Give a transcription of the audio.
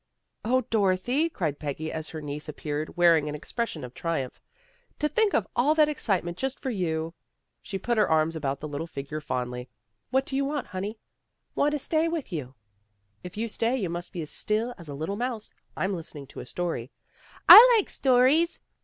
" 0, Dorothy," cried Peggy as her niece ap peared, wearing an expression of triumph. " To think of all that excitement just for you." She put her arms about the little figure fondly. " What do you want, honey? "" Want to stay with you." " If you stay, you must be as still as a little mouse. I'm listening to a story." " I likes stories!